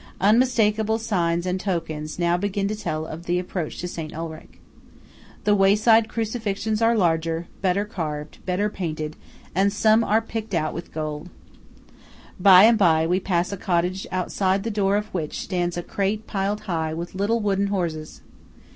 Unmistakeable signs and tokens now begin to tell of the approach to St. Ulrich. The wayside crucifixions are larger, better carved, better painted, and some are picked out with gold. By and by we pass a cottage outside the door of which stands a crate piled high with little wooden horses.